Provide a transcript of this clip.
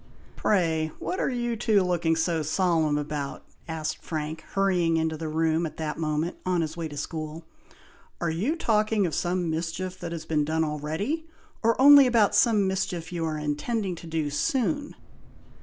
"Pray! what are you two looking so solemn about?" asked Frank, hurrying into the room, at that moment, on his way to school. "Are you talking of some mischief that has been done already, or only about some mischief you are intending to do soon?"